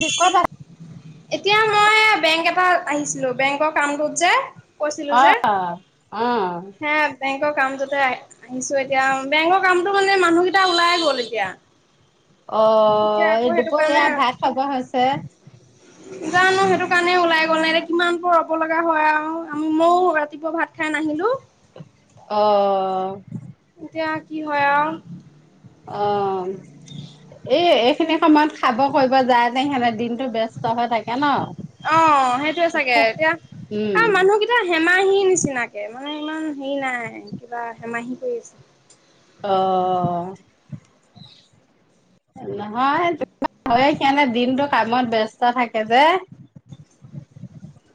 ক'ত আছ এতিয়া মই বেংক এটা আহিছিলোঁ। বেংকৰ কামটোত যে। কৈছিলোঁ অ যে, অ হা বেংকৰ কামটোতে আ-আহিছো তিয়া বেংকৰ কামটো মানে মানুহকেইটা ওলাই গ'ল এতিয়া। এতিয়া অ', আকৌ এই সেইটো কাৰণে দুপৰিয়া ভাত খাব হৈছে। জানো সেইটো কাৰণে ওলাই গ'ল নে, এতিয়া কিমান পৰ ৰব লগা হয়। আমি মইয়ো ৰাতিপুৱা ভাত খাই নাহিলো অ এতিয়া কি হয় আৰু অ। এ এইখিনি সময়ত খাব কৰিব যায় যে, সেনে দিনটো ব্যস্ত হৈ থাকে ন। অ', সেইটোয়ে চাগে, এতিয়া আৰু উম মানুহকেইটা হেমাহি নিচিনাকে মানে ইমান হেৰি নাই, কিবা হেমাহি কৰি আছে। অ', নহয় হয়ে সনে দিনটো কামত ব্যস্ত থাকে যে।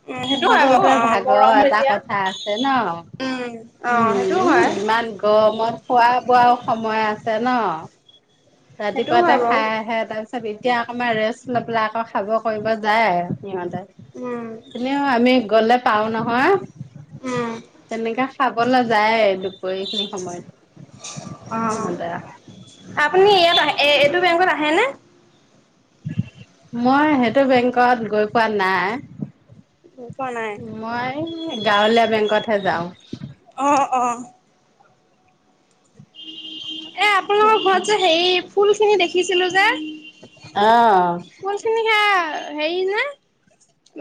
উম সেইটো হয় বাৰু সিহঁতৰটো অ ভাগৰৰ গৰমো এটা এতিয়া কথা আছে ন, উম অ সেইটো উম হয় ইমান গৰমত খোৱা বোৱাও সময় আছ তেনো সেইটোও ৰাতিপুৱাতে হয় বাৰু খাই আহে তাৰপিছত এতিয়া অকণমান ৰেষ্ট লৈ পেলাই আকৌ খাব কৰিব যায় সিহঁতে। উম কিন্তু আমি গ'লে পাওঁ নহয় উম তেনেকে খাবলৈ যায় দু গ এইখিনি সময়ত, অ সিহঁতে আপুনি ইয়াত আহে এ এইটো বেংকত আহেনে? মই সেইটো বেংকত গৈ পোৱা নাই। পোৱা নাই মই গাঁৱলীয়া বেংকতহে যাওঁ। [inaudible] অ', অ'। এ আপোনালোকৰ ঘৰত যে সে ফুল খিনি দেখিছিলো যে অ' ফুল খিনি হে হেৰি নে?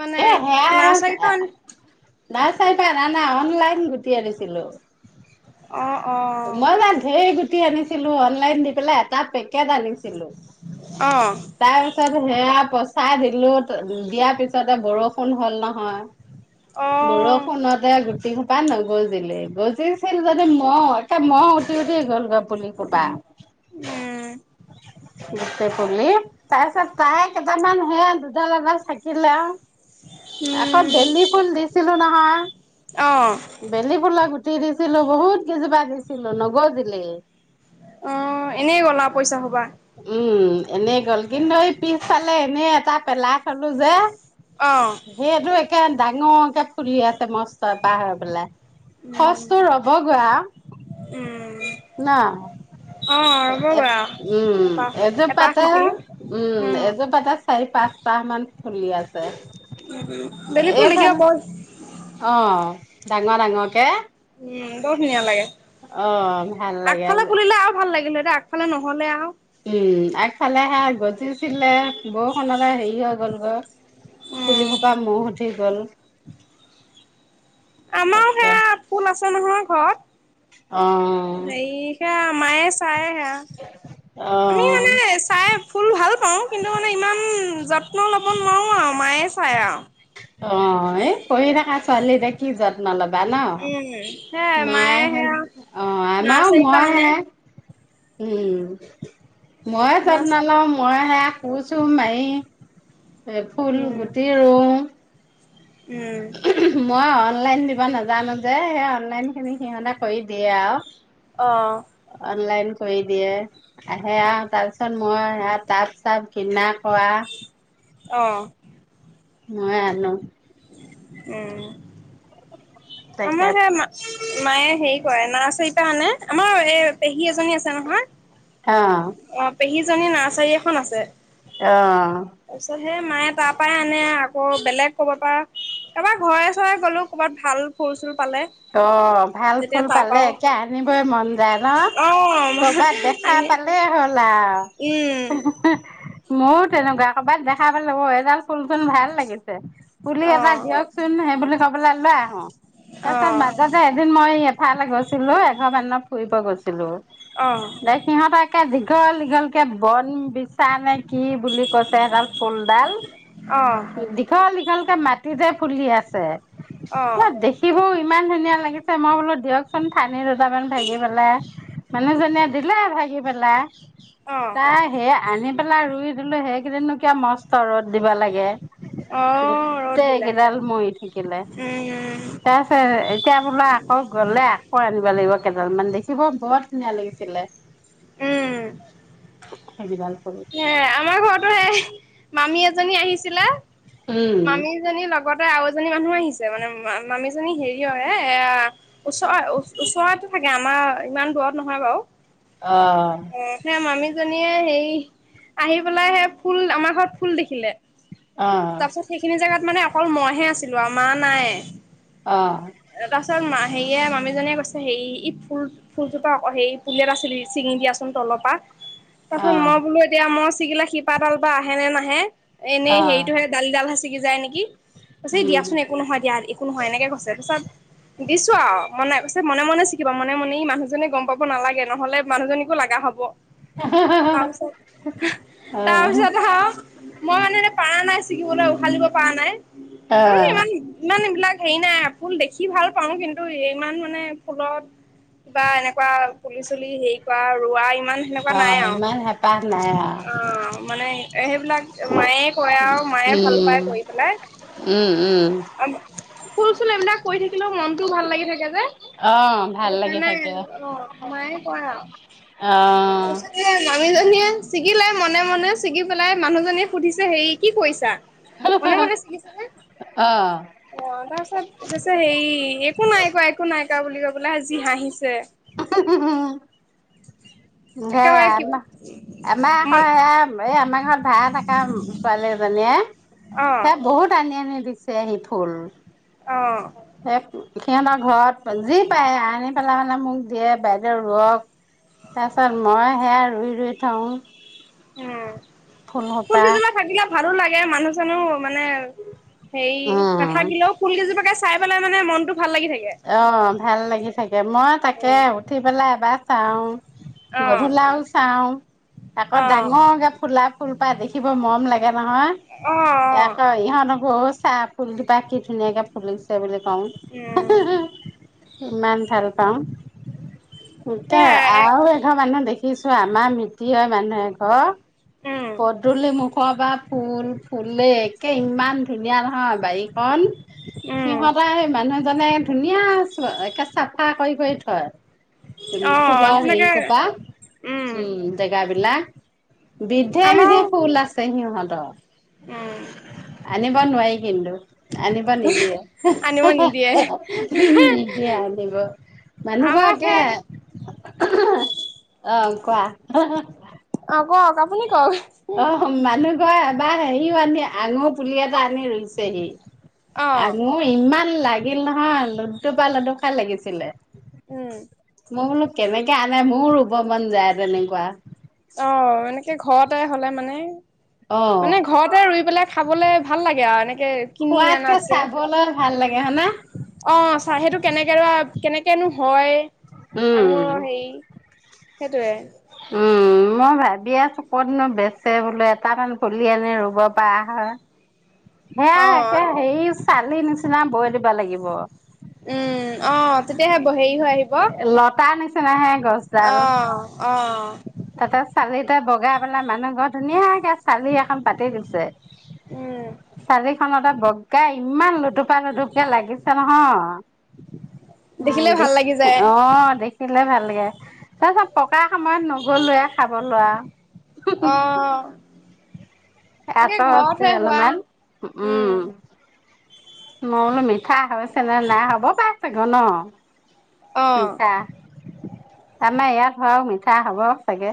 মানে না চাইত নাই চাইবা ন নাই অনলাইন গুটি আনিছিলো। অ নাই, নাই ধেৰ গুট ক আনিছিলো অনলাইন দি পেলাই এটা পেক কে আনিছিলো। অ অ তাই আছে হে আপছ চাই দিলোঁ দিয়াৰ পিছতে বৰষুণ হ'ল নহয়। অ বৰষুণতে গুটি পা ন গজিলে গজিছিল যেনদি মঁহ এটা মঁহ উঠি উঠি গ'ল গপুলি কোবা। উম। নে পৰলি তাৰপিছত প্ৰায় কেইটামান সেয়া দুডাল এডাল থাকিলে আৰু আকৌ বেলি ফুল দিছিলো ন' হা অ বেলিবলা গোট দিছিলো বহুত কেই জোপা দিছিলো নগজিলে। অ এনেই গ'ল আৰু পইচা সোপা উম, এনেই গ'ল কিন্তু এই পিছফালে এনেই এটা পেলাই থ'লো যে। অ সেইটো এক একে ডাঙৰকে ফুলি আছে মষ্ট পাহাৰ বেলাই উম সচটো ৰ'ব গোৱা উম ন অ ৰ'বগৈ আৰু উম, এপাহ এযোৰ এপাহ পাতা থাকিলে উম, উম এযোৰ পাতা চাৰি পাঁচটাহ মান খুলি আছে। উম, বেলি ফুল এফাই দেখিব অ'। বৰ ডাঙৰ, ডাঙৰকে উম, বৰ ধুনীয়া লাগে। অ ভাল লাগে আগফালে ফুলিলে আৰু ভাল লাগিলে হৈ। সেইফালে নহ'লে আৰু উম, আগফালে সে গজিছিলে বৰষুণত হেৰি হৈ গ'ল গৈ। উম, পুলিসোপা ম উঠি গ'ল [inaudible] আমাৰো তাকে সেয়া ফুল আছে নহয় অ ঘৰত। হেৰি সেয়া মায়ে চাই সেয়া। আমি অ মানে চাই ফুল ভাল পাওঁ। কিন্তু মানে ইমান যত্ন ল'ব নোৱাৰো আৰু, মায়ে [unintelligible] অ', এই পঢ়ি থকা ছোৱালী যে, কি যত্ন ল বা ন? উম, সেয়াই মায়ে হে, সেয়া অ আমাৰ নাৰ্চাৰীৰ পৰা মই আনে হে। উম। ময়েই নাৰ্চ যত্ন লওঁ ময়ে সেয়া কো চু মাৰি এ ফুল উম, গুটি ৰুওঁ। উম, [unintelligible] মই অনলাইন দিব নাজানো যে, সেই অনলাইন খিনি সিহঁতে কৰি দিয়ে আৰু। অ। অনলাইন কৰি দিয়ে, আহে আৰু তাৰপিছত মই টাব চাব কিনাক হোৱা অ', মই আনো। উম। আমাৰ তেখেত সেয়া মা মায়ে হেৰি কৰে নাৰ্চাৰীৰ পা আনে, আমাৰ এই হী এজনী আছে নহয় অ' জনী নাৰ্চাৰী এখন আছে। অ তাৰপিছত হে মায়ে তাৰ পাই আনে আকৌ বেলেগ ক'বা পা কাবাৰ ঘৰে-চৰে গলেওঁ কৰবাত ভাল ফুল চুল পালে অ', ভাল তেতিয়া ফুল তাৰ পালে পৰাও একে আনিবই মন যায় ন? অ ক'বাত দেখা আনি পালেই হ'ল আও উম ময়ো তেনেকুৱা কৰবাত দেখা পালে, অ' এডাল ফুল চোন ভাল লাগিছে পুলি অ এটা দিয়কচোন, সেই বুলি কৈ পালে লৈ আহোঁ। অ তাছত মাজতে এদিন মই এই এফালে গৈছিলোঁ, এঘৰ মানুহ ফুৰি ব গৈছিলো। অ দে সিহঁত একে গল গল কে বল বিছ [unintelligible] চা-নে কি বুলি কৈছে এডাল ফুলডাল, দীঘল দীঘলকে মাট ফুলি আছে। অ। দেখিবও ইমান ধুনীয়া লাগিছে মই বোলো দিয়কচোন ঠানি- মান ভাগি পেলাই। মানুহজনে দিলে ভাগি পেলে। অ তাই সে আনি। পেলাই ৰুই দিলো সেইকেইদিনো কিয় মস্ত ৰ'দ দিবা লাগে। অ ৰ'দ দিলে গোটেইকেইডাল মৰি থাকিলে। উম তাৰপিছ এতিয়া বোলা আকৌ গলে আকৌ আনিব লাগিব কেইডাল মান দেখিব বৰ ধুনীয়া লাগিব। দি ছিলে। উম। সেইকেইডাল। ফুল হে আমাৰ ঘৰতো হেই - মামি- জনী আহিছিলে, উম মামীজনী লগত- ত আৰু এজনী মানুহ আহিছে মানে মামিজনী হেৰি হয়ে এ ওচ ওচৰাৰতো থাকে আমাৰ ইমান দূৰত নহয় বাৰু। অ'। [unintelligible] মামি জনীয়ে হেৰি- আহি পেলাইহে ফুল আমাৰ ঘৰত ফুল দেখিলে। অ', তাৰ পিছত সেইখিনি জাগাত মানে অকল মইহে আছে- যোৱা মা নাই। অ। তাৰপছত মা আহিয়ে মামীজনীয়ে কৈছে হেৰি ই ফুল ফুলযত আকৌ হে পুলট আছিল চিঙি দিয়াচোন তলৰ পৰা। তাৰছত অ', মই বোলো এতিয়া মই ছিগিলা শিপাডাল বা আহে নে নাহে। হে- এনে হেই- অ', োললা ভাি কি [unintelligible] যায় নেকি। উম। দিয়াচোন একো নহয় দিয়া একো নহয় এনেকে গৈছে পছত- দিছো আৰু মনে পছে মনে মনে শিকিবা মনে মনে মানুহজনী গম পাব নালাগে নহলে মানুহজনীকো লগা হ'ব। তাৰপিছত, অ', তাৰপিছত আহ মই মানে পাৰা নাই- চিকিবলৈ উহালিব পৰা নাই। ইম অ', ইমান, ‌ ইমান এইবিলাক- হেৰি না, ফুল দেখি ভাল পাওঁ, কিন্তু ৰে ইমান মানে ফুলত- বা এনেকুৱা- পুলি-চুলি হেৰি কৰা, ৰোৱা ই- ইমান সেনেকুৱা নাই অ', আৰু। ইমান হেঁপাহ নাই আৰু। অহ, মানে এ সেইবিলাক মায়ে কৰে আৰু- য়ে ভাল পাই উম, কৰি পেলাই। উম, উম, অম ফু- চন এইবিলাক কৰি থাক- কিলেও মনতটো ভাল লাগি থাকে যে, অ', ভাল সেইটো লাগি কাৰণে থাকে। অ মায়ে কৰে আৰু। অ', তাৰপিছত এয়া মানুহজনীয়ে- ছিগিলে মনে মনে। ছিগি পেলাই মানুহজনীয়ে সুধিছে হেৰি- কি কৰিছা? মনে মনে ছিঙি ছিকেন। অ'। অহ, তাৰপিছত কৈছে হেৰি, একো নাই কোৱা, একো নাই- পিতিকা বুলি কৈ যি হাঁহিছে। অ হ‌‌ হ‌‌ হ। একেবাৰে কি [unintelligible] আমাৰ আক মন সে এই আমাৰ ঘৰত ভাৰা থকা ছোৱালী অ এজনীয়ে- [unintelligible] বহুত আনি- নি দিছে আহি ফুল। অহ সি আমাৰ ঘৰত, যি পায় আনি পেলাই মানে মোক- দিয়ে বাইদেউ ৰুৱক- তাৰপিছত মই সেয়া- ৰুই ৰুই থওঁ। উম ফুল ফুলসোপা কেজোপা থাকিলে ভালো লাগে। এ মানুহ-চানুহ মানে- সেই উম, নাথাকিলেও ফুল কেইজোপাকে চা চাই পেলাই মানে মনটো- ভাল লাগি থাকে। অহ ভাল লাগি থাকে। মই তাকে, উম, উঠি পেলাই এবাৰ- চাওঁ। অ', গধূলাল চাওঁ আকৌ অ', ডাঙৰকে ফুলা ফুল পা দেখিব মৰম লাগে। গে অ', নহয। অ', আকৌ ইহঁতকো- চাহ ফুলজোপা কি ধুনীয়াকে ফুলিছে বুলি- কওঁ। উম ইমান ভাল পাওঁ। এতিয়া সেয়াই আৰু এঘৰ মানুহে দেখি কিছো আমাৰ মিতি হয় মানুহ এঘৰ উম, পদূলিমুখৰ পা ফুল ফুলেই একে ইমান ধুনীয়া নহয় বাৰীকণ। উম, সিহঁতাই মানুহে জানে ধুনীয়া একে চাফা কৰি কৰি থয়। উম, অ', ফুলৰ তেনেকে হেইখোপা উম, জেগা বি লা বিধে আমাৰো বিধে ফুল আছে সিহঁত [unintelligible] উম। হিন্দু আনিবা নিদিয়ে। আনিব নিদিয়ে। নিদিয়ে আনিব মানুহৰ আমাক একে সেই অহ, কোৱা। তুমি কৰ অ', মানুহ কয় এবাৰ হেৰি [unintelligible] আমি আঙুৰ পুলি এটা আনি ৰুই ছেহি। অ', আঙুৰ ইমান লাগিল নহয় লুডুবা লুডুখাই লাগিছিলে। উম। মই বোলো কেনেকে আনে মোৰো ৰুব মন যায় তেনেকুৱা। অ', এনেকে ঘৰতে হ'লে মানে অ মানে ঘৰতে ৰুই পেলাই খাবলে ভাল লাগে আৰু এনে সোৱাতকে চাবলৈ ভাল লাগে হয় নে? অ চা সেইটো কেনেকে কেনেকেনো হয়। উম আঙুৰৰ হেৰি সেইটোৱে। উম মই ভাবি আছো কতনো বেচে বোলো এটামান পুলি আনি ৰুব পৰা হয়! সেয়া অ এতিয়া হেৰি চালি নিচিনা বৈ দিবা লাগিব উম, অ। তেতিয়াহে ব হেৰি হৈ আহিব [inaudible] অ অ অ চালিটা বগাই পেলাই মানুহ ঘৰ ধুনীয়াকে চালি এখন পাতি দিছে উম চাৰে খনতে বগা ইমান লুতুপা লুটুপকে লাগিছে নহয় উম, দেখিলে দে ভাল লাগি যায় অ', দে দেখিলে ভাল লাগে তাৰপিছত পকা সময় নগ'লয়ে খাব লোৱা অহ এটা হছে অলপমান উম মই বোলো মিঠা হৈছে নে নাই, হ'ব পাইছাগ ন? অ আছা তাৰমানে ইয়াত হোৱা মিঠা হ'ব চাগে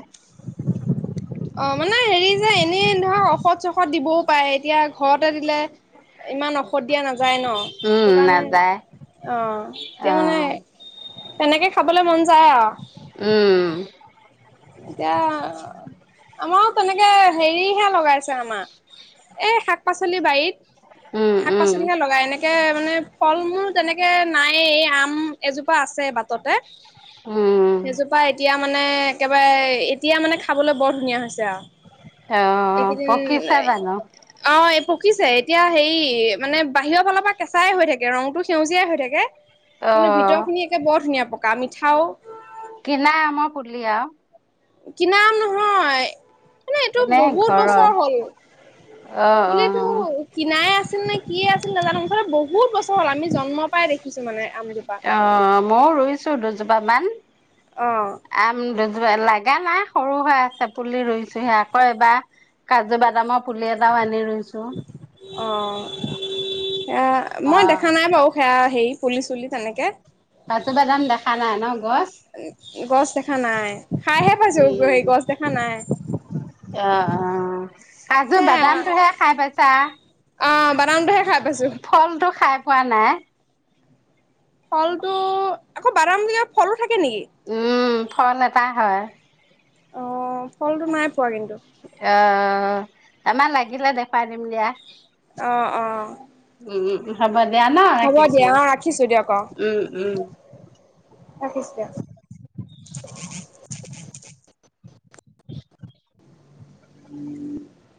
অ মানে হেৰি যে এনেই ধৰক ঔষধ চষদ দিবও পাৰে এতিয়া ঘৰতে দিলে ইমান ঔষধ দিয়া নাযায় ন উম সেইটো কাৰণে নাযায় অ অ এতিয়া মানে তেনেকে খাবলৈ মন যায় আৰু উ এতিয়া আমাৰো তেনেকে হেৰিহে লগাইছে আমাৰ এই শাক পাচলি বাৰীত উম শাক উম পাচলিহে লগাই এনেকে মানে ফল মূল তেনেকে নাইয়ে এই আম এজোপা আছে বাটতে উম সেইজোপা এতিয়া মানে একেবাৰে এতিয়া মানে খাবলৈ বৰ ধুনীয়া হৈছে অ এইকেইদিন পকিছে জানো অ পকিছে এতিয়া হেৰি মানে বাহিৰৰ ফালৰ পৰা কেঁচাই হৈ থাকে ৰংটো সেউজীয়াই হৈ থাকে অ কিন্তু ভিতৰ খিনি একে বৰ ধুনীয়া প পকা মিঠাও কি আমো ফুলীয়া কিনা আম নহয়। মানে এইটো এনে বহুত ঘৰৰ বছৰ হ'ল অ অ পুলিতটো কিনাই আছিল নে কিয়ে আছিল নেজানো ইফালে বহুত বছৰ হ'ল আমি জন্ম পাই দেখি কিছুমানে অ মইও ৰুইছো। জোপামান অ আম লাগা নাই সৰু হৈ আছে পুলি ৰুইছোহে আকৌ এবাৰ কাজু বাদামৰ পুলি এটাও আনি ৰুইছো অ অ অ মই দেখা নাই বাৰু সেয়া সে পুলি চুলি তেনেকে কজু বাদাম দেখা নাই ন? গছ গছ দেখা নাই খাইহে পাইছো উম সেই গছ দেখা নাই। অ অ কাজু হে বাদামটোহে খাই পাইছা অ বাদামটোহে খাই পাইছো ফলটো খাই পোৱা নাই ফল টো আকৌ বাদাম বিলাক‌ ফল অ উম ফল এটাই হয়। অ ফলটো নাই পোৱা কিন্তু। অ আমাৰ লাগিলে দেখাই দিম দিয়া। অ অ উ [unintelligible] হ'ব দিয়া অ ৰাখিছো দিয়ক অ উম, উম। ৰাখিছো দিয়ক। [inaudible]